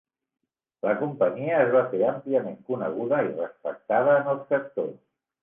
La companyia es va fer àmpliament coneguda i respectada en el sector.